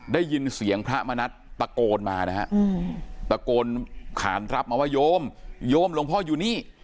ได้ยินเสียงพระมณัฐตะโกนมานะฮะตะโกนขานรับมาว่าโยมโยมหลวงพ่ออยู่นี่